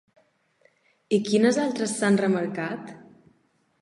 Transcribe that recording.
I quines altres s'han remarcat?